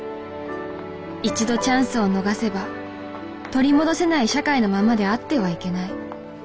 一度チャンスを逃せば取り戻せない社会のままであってはいけない。